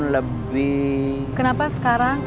lebih kenapa sekarang